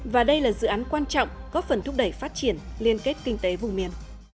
và đây là dự án quan trọng góp phần thúc đẩy phát triển liên kết kinh tế vùng miền